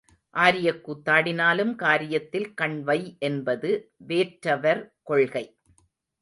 ஆரியக் கூத்தாடினாலும் காரியத்தில் கண் வை என்பது வேற்றவர் கொள்கை.